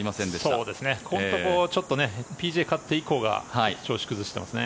ここのところちょっとＰＧＡを勝って以降調子を崩していますね。